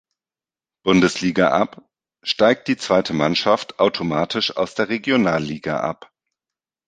Bundesliga ab, steigt die zweite Mannschaft automatisch aus der Regionalliga ab.